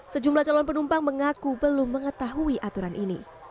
sejumlah calon penumpang mengaku belum mengetahui aturan ini